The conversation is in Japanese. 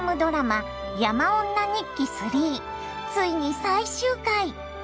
ついに最終回！